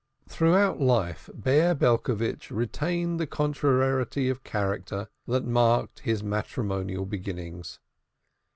Throughout life Bear Belcovitch retained the contrariety of character that marked his matrimonial beginnings.